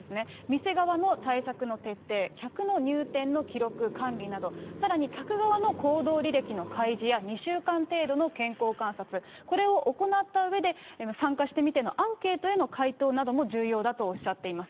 店側の対策の徹底、客の入店の記録、管理など、さらに客側の行動履歴の開示や、２週間程度の健康観察、これを行ったうえで、参加してみてのアンケートへの回答なども重要だとおっしゃっています。